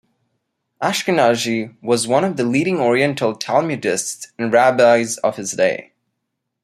Ashkenazi was one of the leading Oriental Talmudists and rabbis of his day.